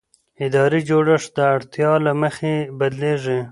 اداري جوړښت د اړتیا له مخې بدلېږي.